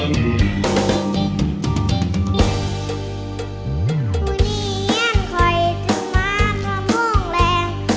ทรมาน